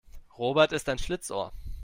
Robert ist ein Schlitzohr.